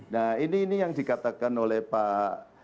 nah ini yang dikatakan oleh pak